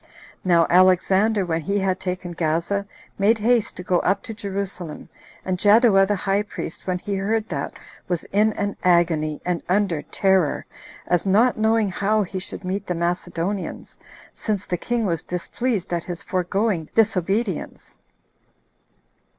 Now Alexander, when he had taken Gaza, made haste to go up to Jerusalem; and Jaddua the high priest, when he heard that, was in an agony, and under terror, as not knowing how he should meet the Macedonians, since the king was displeased at his foregoing disobedience.